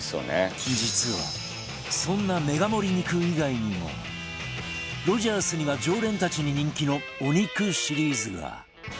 実はそんなメガ盛り肉以外にもロヂャースには常連たちに人気のお肉シリーズが